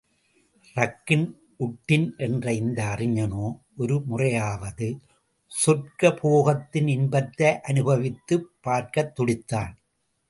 ரக்கின் உட்டின் என்ற இந்த அறிஞனோ, ஒரு முறையாவது சொர்க்க போகத்தின் இன்பத்தை அனுபவித்துப் பார்க்கத் துடித்தான்.